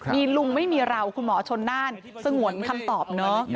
มีลุงไม่มีเราคุณหมอชนน่านสงวนคำตอบเนอะ